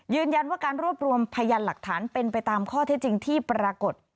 ยืนยันว่าการรวบรวมพยานหลักฐานเป็นไปตามข้อเท็จจริงที่ปรากฏ